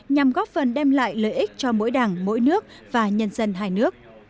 nhằm góp phần đem lại lợi ích cho mỗi đảng mỗi nước và nhân dân hai nước